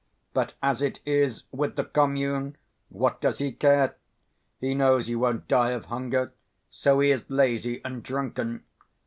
But as it is, with the commune, what does he care? He knows he won't die of hunger, so he is lazy and drunken.